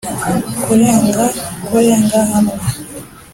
kurenga kurenga hamwe